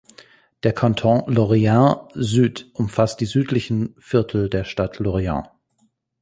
Der Kanton Lorient-Sud umfasste die südlichen Viertel der Stadt Lorient.